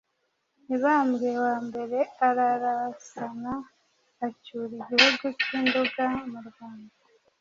Mibambwe wambere ararasana acyura Igihugu cy’i Nduga mu Rwanda